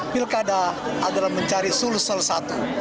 pilkada adalah mencari sulus selesatu